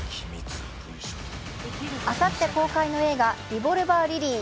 あさって公開の映画「リボルバー・リリー」。